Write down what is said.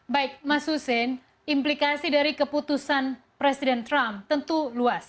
baik mas hussein implikasi dari keputusan presiden trump tentu luas